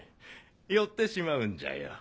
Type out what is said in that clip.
寄ってしまうんじゃよ。